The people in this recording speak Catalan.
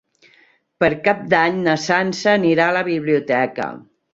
Per Cap d'Any na Sança anirà a la biblioteca.